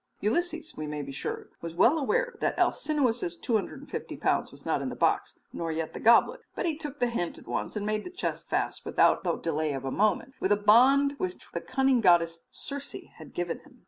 Ulysses, we may be sure, was well aware that Alcinous's 250 pounds was not in the box, nor yet the goblet, but he took the hint at once and made the chest fast without the delay of a moment, with a bond which the cunning goddess Circe had taught him.